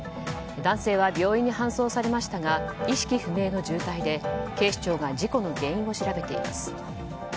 男性は病院に搬送されましたが意識不明の重体で警視庁が事故の原因を調べています。